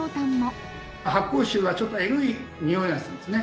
発酵臭はちょっとエグイにおいがするんですね。